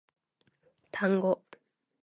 単語